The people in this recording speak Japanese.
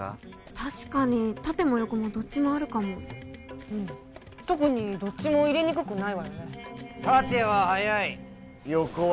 確かに縦も横もどっちもあるかもうん特にどっちも入れにくくないわよねえっ？